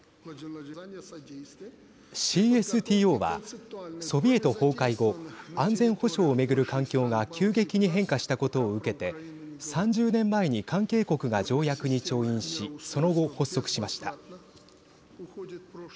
ＣＳＴＯはソビエト崩壊後安全保障をめぐる環境が急激に変化したことを受けて３０年前に関係国が条約に調印しその後、発足しました。